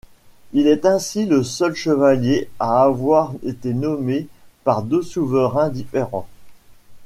Il est ainsi le seul chevalier à avoir été nommé par deux souverains différents.